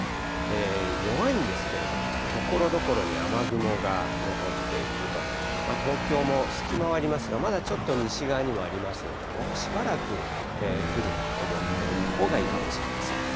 弱いんですけれども、ところどころに雨雲が残っていると、東京も隙間はありますが、まだちょっと西側にもありますので、もうしばらく降ると思っておいたほうがいいかもしれません。